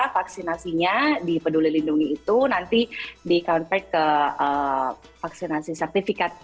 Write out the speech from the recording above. vaksinasinya dipeduli lindungi itu nanti di contract ke vaksinasi sertifikat